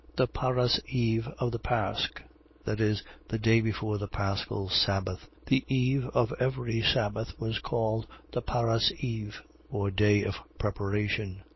The parasceve of the pasch. . .That is, the day before the paschal sabbath. The eve of every sabbath was called the parasceve, or day of preparation.